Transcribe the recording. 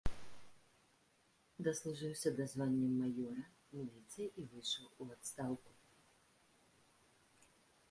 Даслужыўся да звання маёра міліцыі і выйшаў у адстаўку.